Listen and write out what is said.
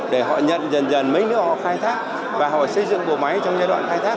để họ nhận dần dần mấy nữa họ khai thác và họ xây dựng bộ máy trong giai đoạn khai thác